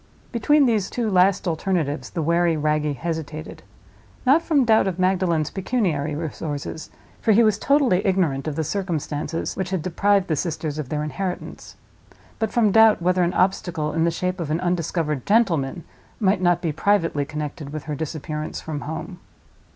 Between these two last alternatives the wary Wragge hesitated; not from doubt of Magdalen's pecuniary resources—for he was totally ignorant of the circumstances which had deprived the sisters of their inheritance—but from doubt whether an obstacle in the shape of an undiscovered gentleman might not be privately connected with her disappearance from home.